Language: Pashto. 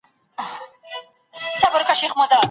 نو ګراني! تاته په ښكاره